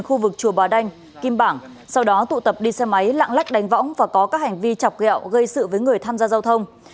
khu vực chùa bà đanh kim bảng sau đó tụ tập đi xe máy lạng lách đánh võng và có các hành vi chọc gẹo gây sự với người tham gia giao thông